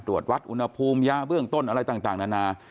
ตรวจวัดอุณหภูมิยาเบื้องต้นอะไรต่างนานา